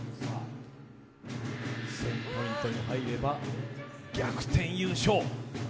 １０００ポイントに入れば逆転優勝。